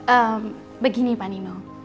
ehm begini pak dino